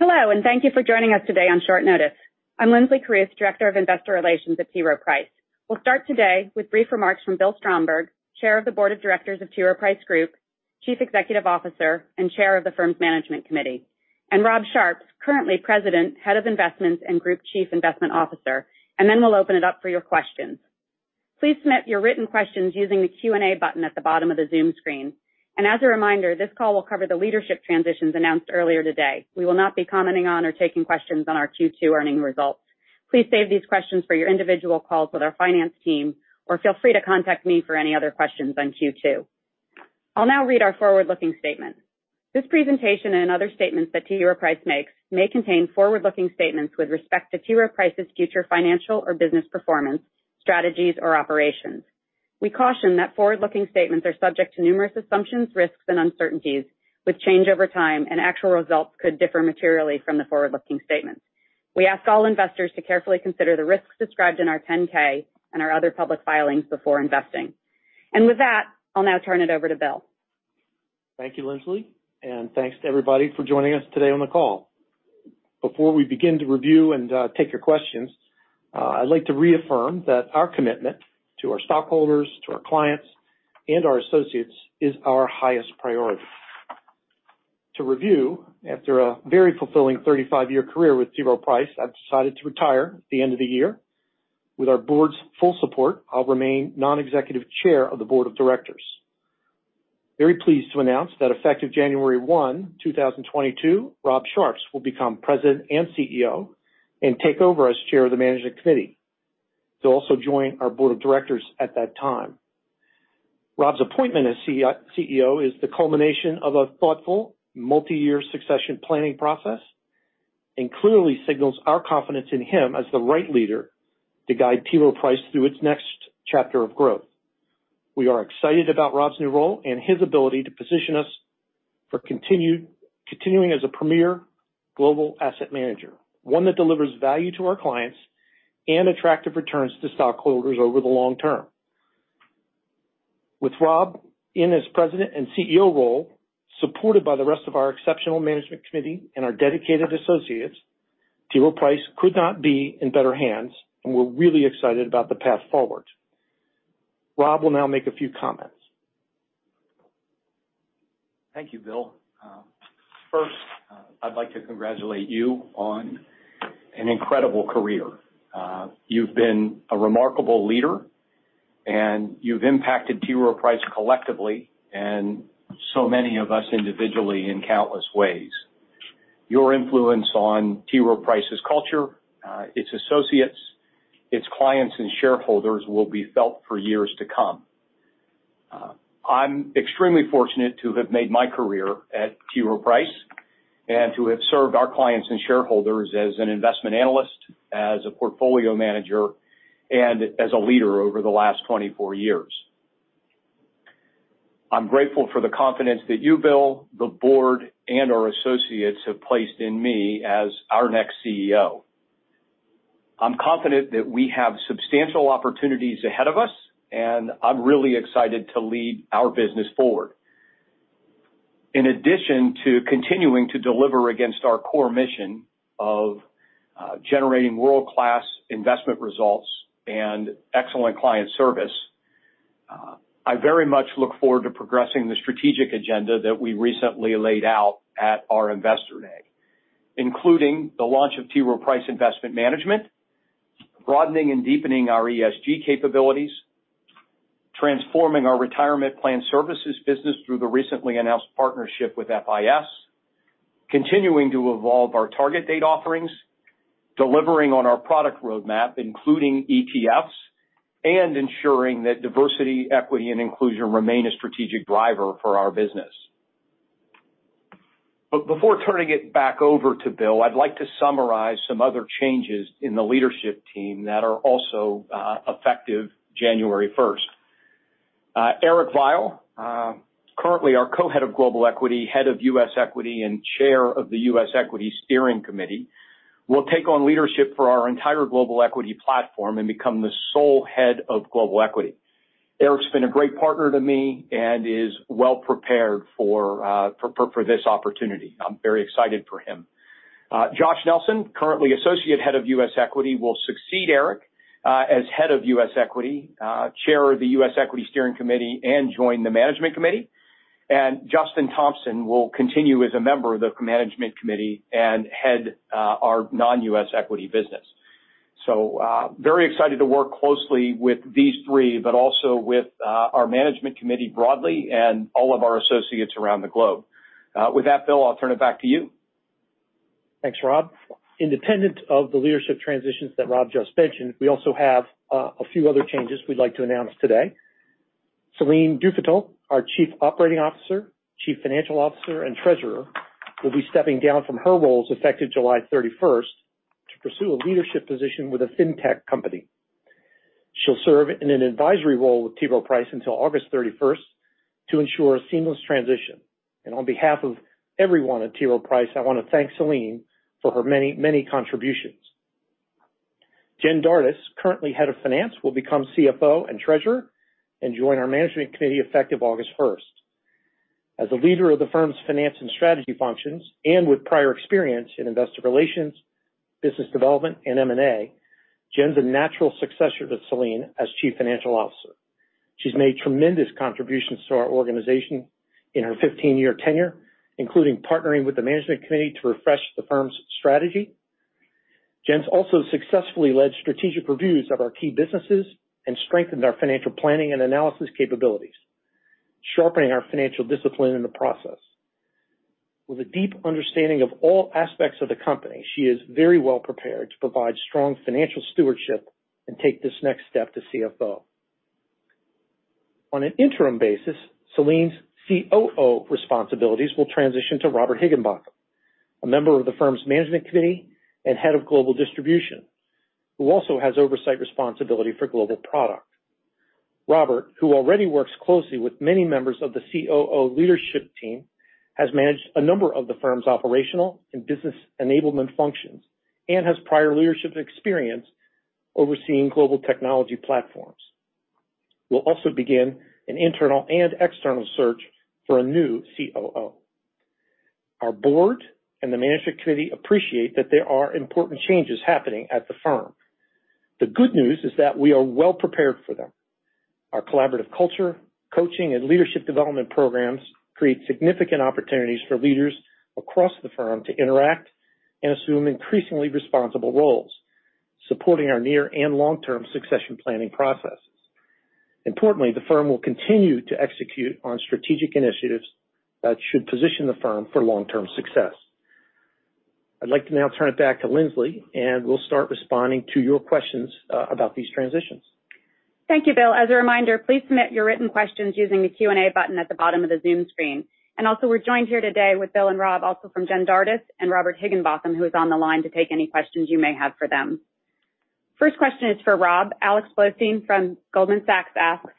Hello, and thank you for joining us today on short notice. I'm Linsley Carruth, Director of Investor Relations at T. Rowe Price. We'll start today with brief remarks from Bill Stromberg, Chair of the Board of Directors of T. Rowe Price Group, Chief Executive Officer, and Chair of the firm's Management Committee. Rob Sharps, currently President, Head of Investments, and Group Chief Investment Officer. Then we'll open it up for your questions. Please submit your written questions using the Q&A button at the bottom of the Zoom screen. As a reminder, this call will cover the leadership transitions announced earlier today. We will not be commenting on or taking questions on our Q2 earnings results. Please save these questions for your individual calls with our finance team, or feel free to contact me for any other questions on Q2. I'll now read our forward-looking statement. This presentation and other statements that T. Rowe Price makes may contain forward-looking statements with respect to T. Rowe Price's future financial or business performance, strategies, or operations. We caution that forward-looking statements are subject to numerous assumptions, risks, and uncertainties, which change over time, and actual results could differ materially from the forward-looking statements. We ask all investors to carefully consider the risks described in our 10K and our other public filings before investing. With that, I'll now turn it over to Bill. Thank you, Linsley. Thanks to everybody for joining us today on the call. Before we begin to review and take your questions, I'd like to reaffirm that our commitment to our stockholders, to our clients, and our associates is our highest priority. To review, after a very fulfilling 35-year career with T. Rowe Price, I've decided to retire at the end of the year. With our board's full support, I'll remain non-executive chair of the board of directors. Very pleased to announce that effective January 1st, 2022, Rob Sharps will become President and CEO and take over as Chair of the Management Committee. He'll also join our board of directors at that time. Rob's appointment as CEO is the culmination of a thoughtful, multi-year succession planning process and clearly signals our confidence in him as the right leader to guide T. Rowe Price through its next chapter of growth. We are excited about Rob's new role and his ability to position us for continuing as a premier global asset manager, one that delivers value to our clients and attractive returns to stockholders over the long term. With Rob in his President and CEO role, supported by the rest of our exceptional Management Committee and our dedicated associates, T. Rowe Price could not be in better hands, and we're really excited about the path forward. Rob will now make a few comments. Thank you, Bill. First, I'd like to congratulate you on an incredible career. You've been a remarkable leader, and you've impacted T. Rowe Price collectively and so many of us individually in countless ways. Your influence on T. Rowe Price's culture, its associates, its clients, and shareholders will be felt for years to come. I'm extremely fortunate to have made my career at T. Rowe Price and to have served our clients and shareholders as an investment analyst, as a portfolio manager, and as a leader over the last 24 years. I'm grateful for the confidence that you, Bill, the board, and our associates have placed in me as our next CEO. I'm confident that we have substantial opportunities ahead of us, and I'm really excited to lead our business forward. In addition to continuing to deliver against our core mission of generating world-class investment results and excellent client service, I very much look forward to progressing the strategic agenda that we recently laid out at our Investor Day, including the launch of T. Rowe Price Investment Management, broadening and deepening our ESG capabilities, transforming our retirement plan services business through the recently announced partnership with FIS, continuing to evolve our target date offerings, delivering on our product roadmap, including ETFs, and ensuring that diversity, equity, and inclusion remain a strategic driver for our business. Before turning it back over to Bill, I'd like to summarize some other changes in the leadership team that are also effective January 1st. Eric Veiel, currently our Co-Head of Global Equity, Head of U.S. Equity, and Chair of the U.S. Equity Steering Committee, will take on leadership for our entire Global Equity platform and become the sole Head of Global Equity. Eric's been a great partner to me and is well prepared for this opportunity. I'm very excited for him. Josh Nelson, currently Associate Head of U.S. Equity, will succeed Eric as Head of U.S. Equity, Chair of the U.S. Equity Steering Committee, and join the Management Committee. Justin Thomson will continue as a member of the Management Committee and head our non-U.S. equity business. Very excited to work closely with these three, but also with our Management Committee broadly and all of our associates around the globe. With that, Bill, I'll turn it back to you. Thanks, Rob. Independent of the leadership transitions that Rob just mentioned, we also have a few other changes we'd like to announce today. Céline Dufétel, our Chief Operating Officer, Chief Financial Officer, and Treasurer, will be stepping down from her roles effective July 31st to pursue a leadership position with a fintech company. She'll serve in an advisory role with T. Rowe Price until August 31st to ensure a seamless transition. On behalf of everyone at T. Rowe Price, I want to thank Céline for her many contributions. Jen Dardis, currently Head of Finance, will become CFO and Treasurer and join our management committee effective August 1st. As a leader of the firm's finance and strategy functions, and with prior experience in investor relations, business development, and M&A, Jen's a natural successor to Céline as chief financial officer. She's made tremendous contributions to our organization in her 15-year tenure, including partnering with the management committee to refresh the firm's strategy. Jen's also successfully led strategic reviews of our key businesses and strengthened our financial planning and analysis capabilities, sharpening our financial discipline in the process. With a deep understanding of all aspects of the company, she is very well prepared to provide strong financial stewardship and take this next step to CFO. On an interim basis, Céline's COO responsibilities will transition to Robert Higginbotham, a member of the firm's management committee and Head of Global Distribution, who also has oversight responsibility for global product. Robert, who already works closely with many members of the COO leadership team, has managed a number of the firm's operational and business enablement functions and has prior leadership experience overseeing global technology platforms. We'll also begin an internal and external search for a new COO. Our board and the management committee appreciate that there are important changes happening at the firm. The good news is that we are well prepared for them. Our collaborative culture, coaching, and leadership development programs create significant opportunities for leaders across the firm to interact and assume increasingly responsible roles, supporting our near and long-term succession planning processes. Importantly, the firm will continue to execute on strategic initiatives that should position the firm for long-term success. I'd like to now turn it back to Linsley, and we'll start responding to your questions about these transitions. Thank you, Bill. As a reminder, please submit your written questions using the Q&A button at the bottom of the Zoom screen. Also, we're joined here today with Bill and Rob, also from Jen Dardis and Robert Higginbotham, who is on the line to take any questions you may have for them. First question is for Rob. Alexander Blostein from Goldman Sachs asks,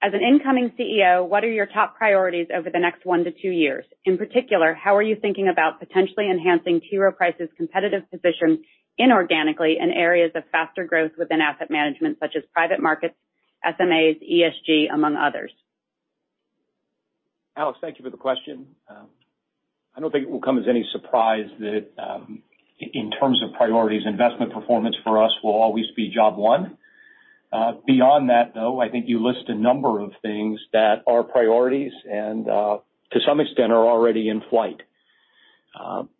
"As an incoming CEO, what are your top priorities over the next one to two years? In particular, how are you thinking about potentially enhancing T. Rowe Price's competitive position inorganically in areas of faster growth within asset management, such as private markets, SMAs, ESG, among others? Alex, thank you for the question. I don't think it will come as any surprise that in terms of priorities, investment performance for us will always be job one. Beyond that, though, I think you list a number of things that are priorities and to some extent are already in flight.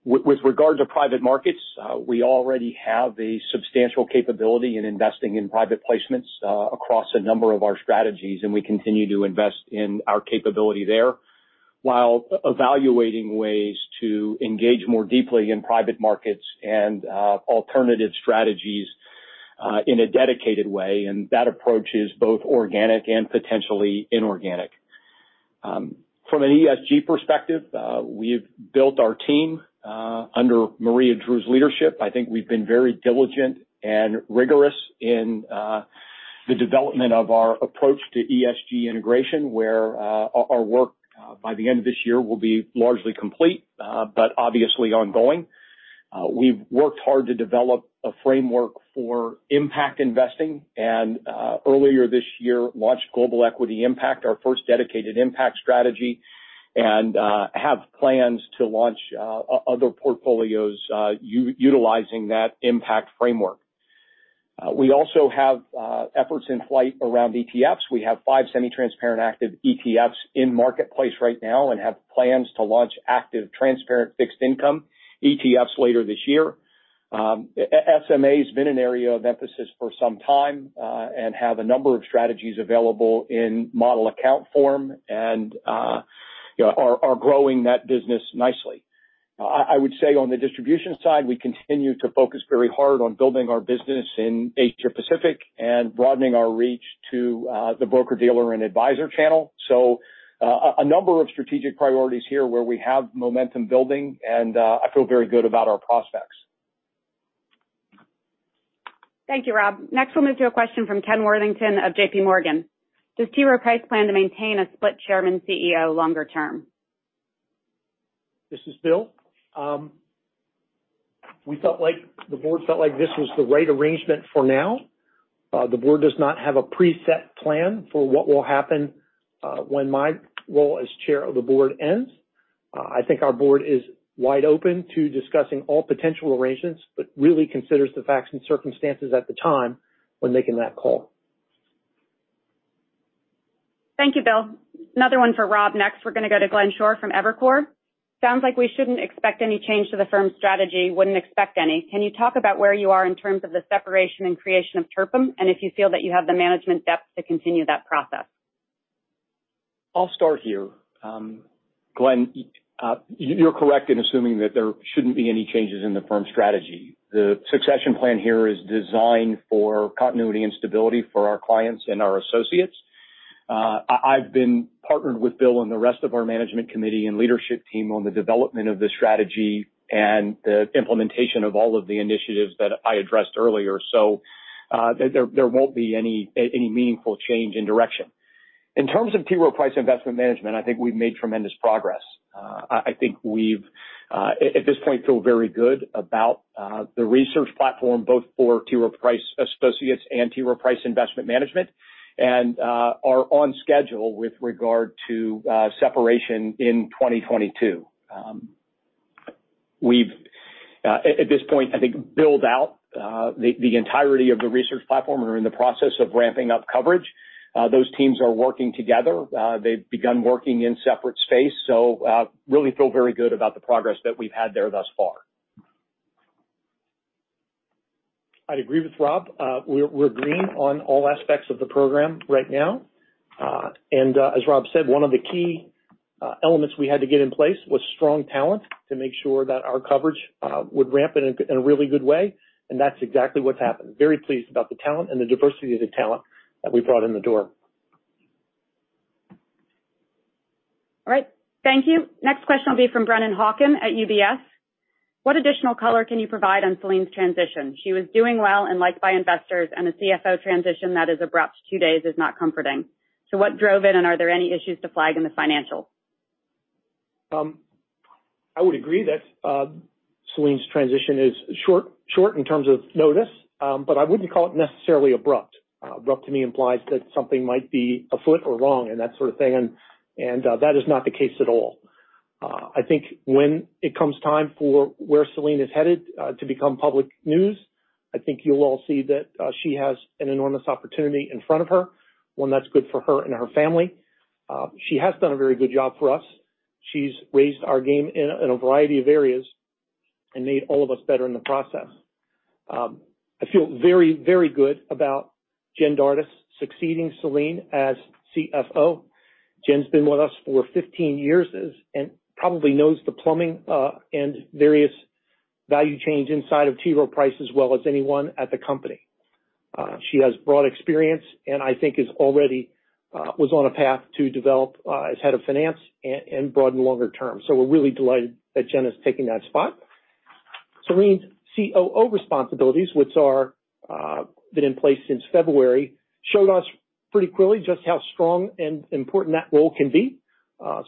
With regard to private markets, we already have a substantial capability in investing in private placements across a number of our strategies, and we continue to invest in our capability there while evaluating ways to engage more deeply in private markets and alternative strategies in a dedicated way, and that approach is both organic and potentially inorganic. From an ESG perspective, we've built our team under Maria Drew's leadership. I think we've been very diligent and rigorous in the development of our approach to ESG integration, where our work by the end of this year will be largely complete but obviously ongoing. We've worked hard to develop a framework for impact investing and earlier this year launched Global Impact Equity Strategy, our first dedicated impact strategy, and have plans to launch other portfolios utilizing that impact framework. We have efforts in flight around ETFs. We have five semi-transparent active ETFs in marketplace right now and have plans to launch active, transparent fixed income ETFs later this year. SMAs has been an area of emphasis for some time and have a number of strategies available in model account form and are growing that business nicely. I would say on the distribution side, we continue to focus very hard on building our business in Asia-Pacific and broadening our reach to the broker-dealer and advisor channel. A number of strategic priorities here where we have momentum building, and I feel very good about our prospects. Thank you, Rob. Next one is your question from Kenneth Worthington of JP Morgan. Does T. Rowe Price plan to maintain a split chairman CEO longer term? This is Bill. The Board felt like this was the right arrangement for now. The Board does not have a preset plan for what will happen when my role as Chair of the Board ends. I think our Board is wide open to discussing all potential arrangements, but really considers the facts and circumstances at the time when making that call. Thank you, Bill. Another one for Rob. Next, we're going to go to Glenn Schorr from Evercore. Sounds like we shouldn't expect any change to the firm's strategy. Wouldn't expect any. Can you talk about where you are in terms of the separation and creation of T. Rowe Price Investment Management, and if you feel that you have the management depth to continue that process? I'll start here. Glenn, you're correct in assuming that there shouldn't be any changes in the firm strategy. The succession plan here is designed for continuity and stability for our clients and our associates. I've been partnered with Bill and the rest of our management committee and leadership team on the development of the strategy and the implementation of all of the initiatives that I addressed earlier, so there won't be any meaningful change in direction. In terms of T. Rowe Price Investment Management, I think we've made tremendous progress. I think we, at this point, feel very good about the research platform, both for T. Rowe Price Associates and T. Rowe Price Investment Management, and are on schedule with regard to separation in 2022. We've, at this point, I think, built out the entirety of the research platform and are in the process of ramping up coverage. Those teams are working together. They've begun working in separate space. Really feel very good about the progress that we've had there thus far. I'd agree with Rob. We're green on all aspects of the program right now. As Rob said, one of the key elements we had to get in place was strong talent to make sure that our coverage would ramp in a really good way, and that's exactly what's happened. Very pleased about the talent and the diversity of the talent that we brought in the door. All right. Thank you. Next question will be from Brennan Hawken at UBS. What additional color can you provide on Céline's transition? She was doing well and liked by investors, and a CFO transition that is abrupt two days is not comforting. What drove it, and are there any issues to flag in the financials? I would agree that Céline's transition is short in terms of notice. I wouldn't call it necessarily abrupt. Abrupt to me implies that something might be afoot or wrong and that sort of thing, and that is not the case at all. I think when it comes time for where Céline is headed to become public news, I think you'll all see that she has an enormous opportunity in front of her, one that's good for her and her family. She has done a very good job for us. She's raised our game in a variety of areas and made all of us better in the process. I feel very, very good about Jen Dardis succeeding Céline as CFO. Jen's been with us for 15 years and probably knows the plumbing, and various value chains inside of T. Rowe Price as well as anyone at the company. She has broad experience and I think already was on a path to develop as head of finance and broaden longer term. We're really delighted that Jen is taking that spot. Céline's COO responsibilities, which have been in place since February, showed us pretty clearly just how strong and important that role can be.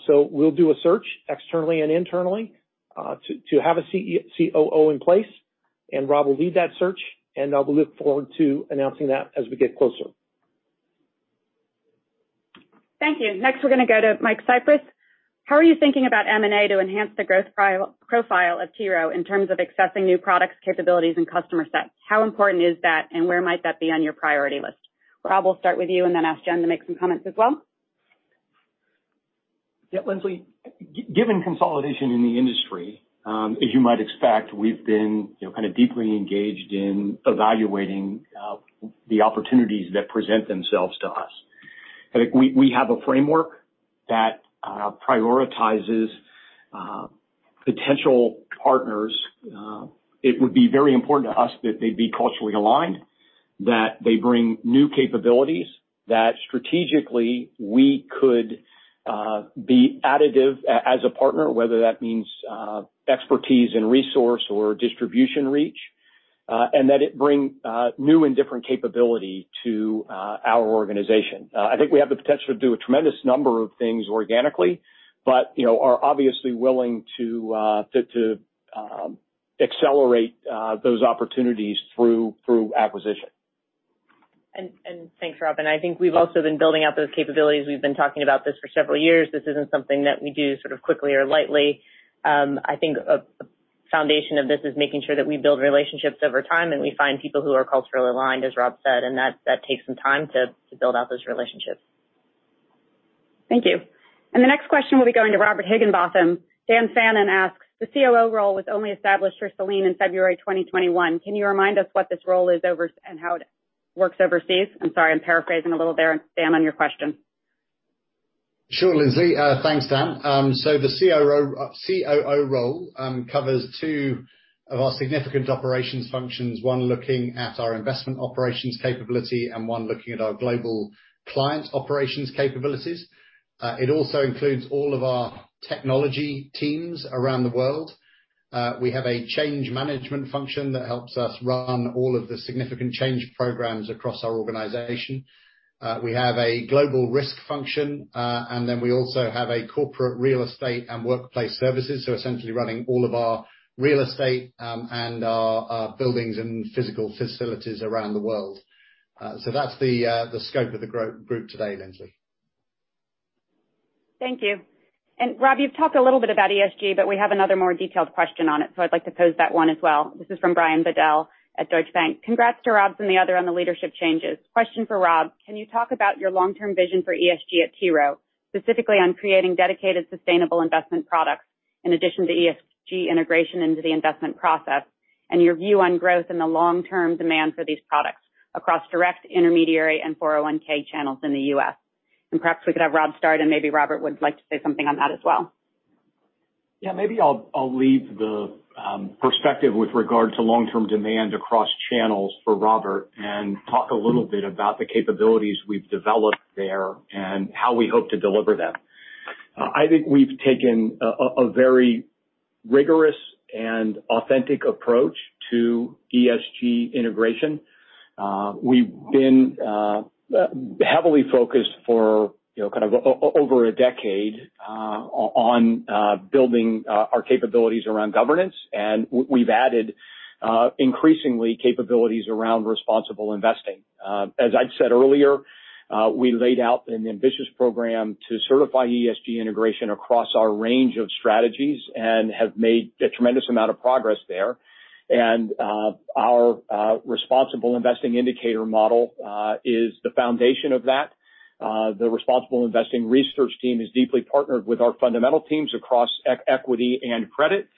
We'll do a search externally and internally to have a COO in place, and Rob will lead that search, and we look forward to announcing that as we get closer. Thank you. Next, we're going to go to Michael Cyprys. How are you thinking about M&A to enhance the growth profile of T. Rowe in terms of accessing new products, capabilities, and customer sets? How important is that, and where might that be on your priority list? Rob, we'll start with you and then ask Jen to make some comments as well. Yeah, Linsley. Given consolidation in the industry, as you might expect, we've been kind of deeply engaged in evaluating the opportunities that present themselves to us. I think we have a framework that prioritizes potential partners. It would be very important to us that they'd be culturally aligned, that they bring new capabilities, that strategically we could be additive as a partner, whether that means expertise in resource or distribution reach, and that it bring new and different capability to our organization. I think we have the potential to do a tremendous number of things organically, but are obviously willing to accelerate those opportunities through acquisition. Thanks, Rob. I think we've also been building out those capabilities. We've been talking about this for several years. This isn't something that we do sort of quickly or lightly. I think a foundation of this is making sure that we build relationships over time, and we find people who are culturally aligned, as Rob said, and that takes some time to build out those relationships. Thank you. The next question will be going to Robert Higginbotham. Daniel Fannon asks, "The COO role was only established for Céline in February 2021. Can you remind us what this role is and how it works overseas?" I'm sorry, I'm paraphrasing a little there, Dan, on your question. Sure, Linsley. Thanks, Dan. The COO role covers two of our significant operations functions, one looking at our investment operations capability and one looking at our global client operations capabilities. It also includes all of our technology teams around the world. We have a change management function that helps us run all of the significant change programs across our organization. We have a global risk function, and then we also have a corporate real estate and workplace services, so essentially running all of our real estate and our buildings and physical facilities around the world. That's the scope of the group today, Linsley. Thank you. Rob, you've talked a little bit about ESG, but we have another more detailed question on it, so I'd like to pose that one as well. This is from Brian Bedell at Deutsche Bank. Congrats to Rob and the other on the leadership changes. Question for Rob. Can you talk about your long-term vision for ESG at T. Rowe, specifically on creating dedicated, sustainable investment products in addition to ESG integration into the investment process, and your view on growth and the long-term demand for these products across direct, intermediary, and 401(k) channels in the U.S.? Perhaps we could have Rob start, and maybe Robert would like to say something on that as well. Maybe I'll leave the perspective with regard to long-term demand across channels for Robert and talk a little bit about the capabilities we've developed there and how we hope to deliver them. I think we've taken a very rigorous and authentic approach to ESG integration. We've been heavily focused for over a decade on building our capabilities around governance, and we've added increasingly capabilities around responsible investing. As I'd said earlier, we laid out an ambitious program to certify ESG integration across our range of strategies and have made a tremendous amount of progress there. Our Responsible Investing Indicator Model is the foundation of that. The responsible investing research team is deeply partnered with our fundamental teams across equity and credit.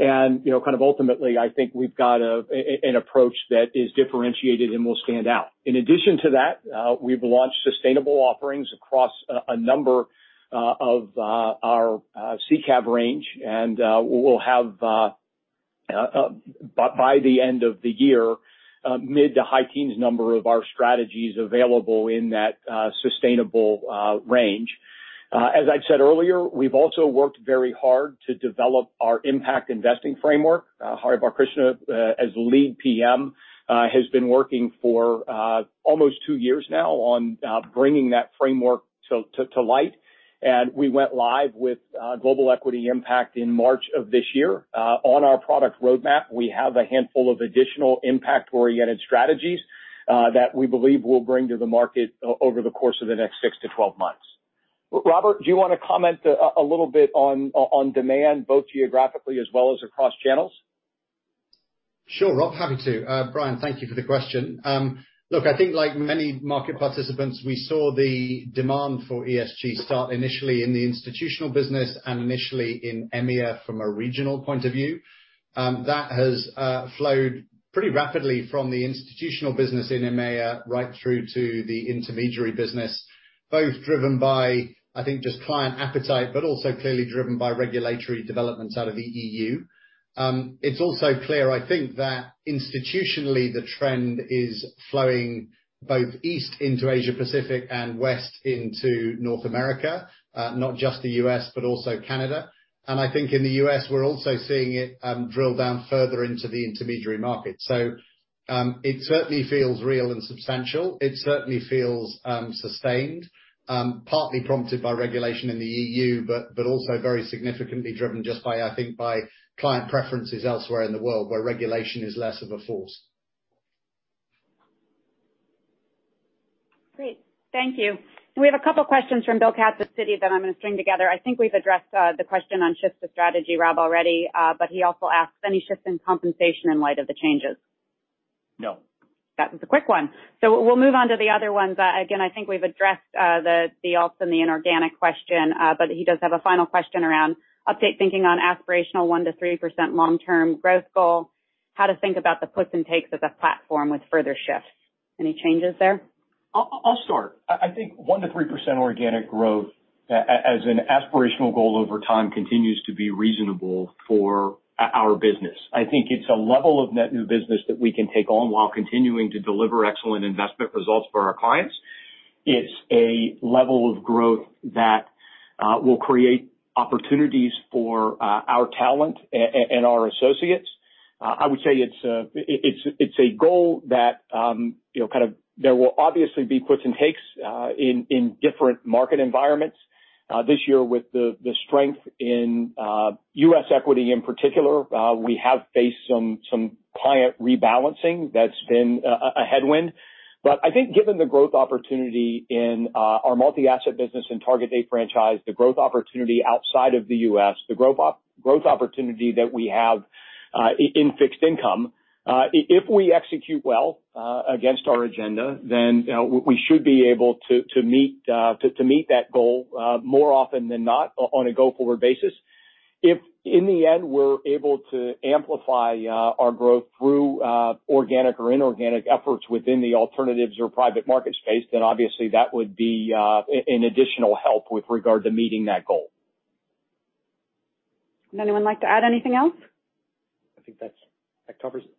Kind of ultimately, I think we've got an approach that is differentiated and will stand out. In addition to that, we've launched sustainable offerings across a number of our SICAV range, and we'll have, by the end of the year, mid to high teens number of our strategies available in that sustainable range. As I'd said earlier, we've also worked very hard to develop our impact investing framework. Hari Balkrishna, as lead PM, has been working for almost two years now on bringing that framework to light. We went live with Global Impact Equity Strategy in March of this year. On our product roadmap, we have a handful of additional impact-oriented strategies that we believe we'll bring to the market over the course of the next six to 12 months. Robert, do you want to comment a little bit on demand, both geographically as well as across channels? Sure, Rob, happy to. Brian, thank you for the question. I think like many market participants, we saw the demand for ESG start initially in the institutional business and initially in EMEA from a regional point of view. That has flowed pretty rapidly from the institutional business in EMEA right through to the intermediary business, both driven by, I think just client appetite, but also clearly driven by regulatory developments out of the EU. It's also clear, I think, that institutionally, the trend is flowing both east into Asia Pacific and west into North America, not just the U.S., but also Canada. I think in the U.S., we're also seeing it drill down further into the intermediary market. It certainly feels real and substantial. It certainly feels sustained, partly prompted by regulation in the EU, but also very significantly driven just by, I think, by client preferences elsewhere in the world, where regulation is less of a force. Great. Thank you. We have a couple questions from William Katz of Citi that I'm going to string together. I think we've addressed the question on shift of strategy, Rob, already. He also asks, "Any shift in compensation in light of the changes? No. That was a quick one. We'll move on to the other ones. Again, I think we've addressed the organic and inorganic question. He does have a final question around update thinking on aspirational 1%-3% long-term growth goal, how to think about the puts and takes of the platform with further shifts. Any changes there? I'll start. I think 1%-3% organic growth as an aspirational goal over time continues to be reasonable for our business. I think it's a level of net new business that we can take on while continuing to deliver excellent investment results for our clients. It's a level of growth that will create opportunities for our talent and our associates. I would say it's a goal that there will obviously be puts and takes in different market environments. This year with the strength in U.S. equity in particular, we have faced some client rebalancing. That's been a headwind. I think given the growth opportunity in our multi-asset business and target date franchise, the growth opportunity outside of the U.S., the growth opportunity that we have in fixed income, if we execute well against our agenda, then we should be able to meet that goal more often than not on a go-forward basis. If in the end, we are able to amplify our growth through organic or inorganic efforts within the alternatives or private markets space, then obviously that would be an additional help with regard to meeting that goal. Would anyone like to add anything else? I think that covers it.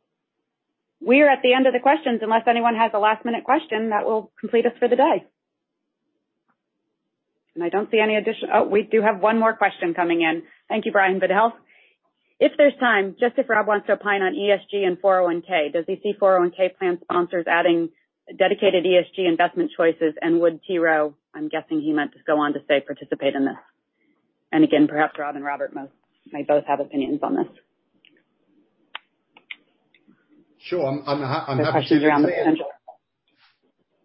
We're at the end of the questions. Unless anyone has a last-minute question, that will complete us for the day. I don't see any. Oh, we do have one more question coming in. Thank you, Brian Bedell. "If there's time, just if Rob wants to opine on ESG and 401(k). Does he see 401(k) plan sponsors adding dedicated ESG investment choices?" I'm guessing he meant to go on to say participate in this? Again, perhaps Rob and Robert may both have opinions on this. Sure. Any questions around the potential?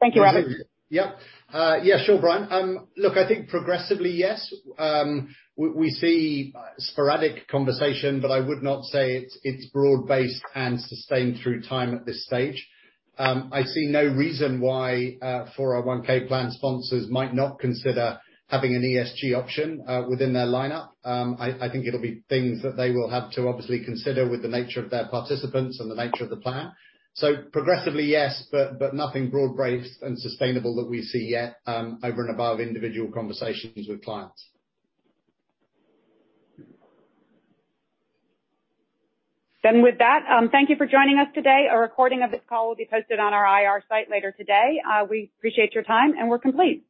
Thank you, Robert. Yep. Yeah, sure, Brian. Look, I think progressively, yes. We see sporadic conversation, but I would not say it's broad-based and sustained through time at this stage. I see no reason why 401(k) plan sponsors might not consider having an ESG option within their lineup. I think it'll be things that they will have to obviously consider with the nature of their participants and the nature of the plan. Progressively, yes, but nothing broad-based and sustainable that we see yet over and above individual conversations with clients. With that, thank you for joining us today. A recording of this call will be posted on our IR site later today. We appreciate your time, and we're complete.